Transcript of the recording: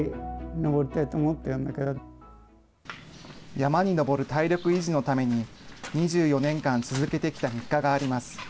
山に登る体力維持のために、２４年間続けてきた日課があります。